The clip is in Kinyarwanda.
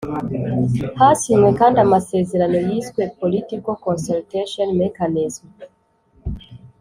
Hasinywe kandi amasezerano yiswe “Political Consultation Mechanism”